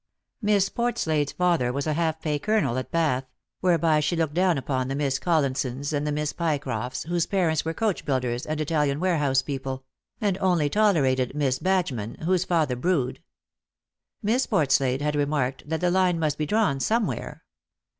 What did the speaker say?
Miss Portslade's father was a half pay colonel at Bath ; whereby she looked down upon the Miss Collinsons and the Miss Pycrofts, whose parents were coachbuilders and Italian ware house people ; and only tolerated Miss Badgeman, whose father brewed. Miss Portslade had remarked that the line must be drawn somewhere.